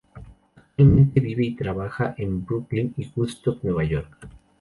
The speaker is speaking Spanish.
Actualmente vive y trabaja en Brooklyn y Woodstock, Nueva York.